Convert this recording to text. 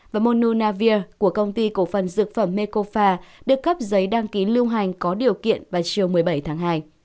và monunavir của công ty cổ phần dược phẩm mekofa được cấp giấy đăng ký lưu hành có điều kiện vào chiều một mươi bảy tháng hai